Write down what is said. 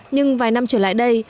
nhưng vài năm trở lại đây